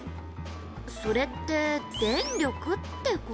「それって電力って事？」